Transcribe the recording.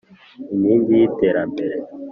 Inkingi y’iterambere.